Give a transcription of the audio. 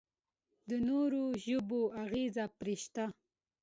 د نورو ژبو اغېز پرې شته.